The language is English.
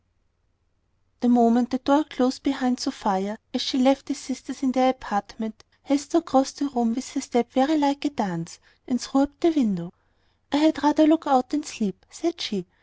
The moment the door closed behind Sophia, as she left the sisters in their apartment, Hester crossed the room with a step very like a dance, and threw up the window. "I had rather look out than sleep," said she.